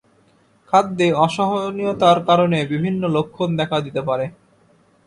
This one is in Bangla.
খাদ্যে অসহনীয়তার কারণে বিভিন্ন লক্ষণ দেখা দিতে পারে।